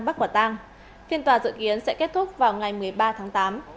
bắt quả tang phiên tòa dự kiến sẽ kết thúc vào ngày một mươi ba tháng tám